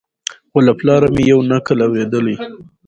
خو له پلاره مي یو نکل اورېدلی